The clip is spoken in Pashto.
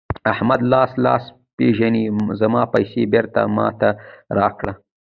احمده؛ لاس لاس پېژني ـ زما پيسې بېرته ما ته راکړه.